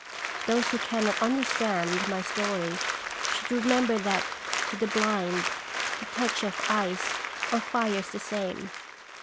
Those who cannot un derstand my story should remember that to the blind the touch of ice or fire is the same.